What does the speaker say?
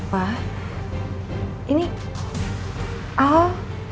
pak ini al